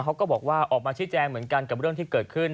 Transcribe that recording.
เขาก็บอกว่าออกมาชี้แจงเหมือนกันกับเรื่องที่เกิดขึ้น